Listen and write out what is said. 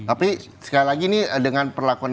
tapi sekali lagi ini dengan perlakuan